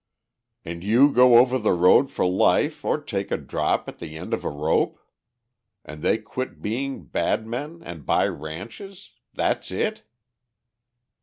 "And you go over the road for life or take a drop at the end of a rope? And they quit being badmen and buy ranches? That it?"